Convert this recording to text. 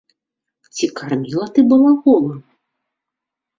Ці карміла ты балагола?